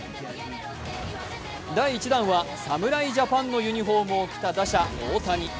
第１弾は、侍ジャパンのユニフォームを着た打者・大谷。